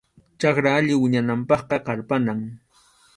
Chakra allin wiñananpaqqa qarpanam.